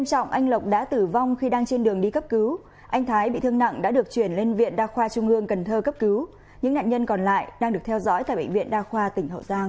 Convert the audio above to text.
xin chào và hẹn gặp lại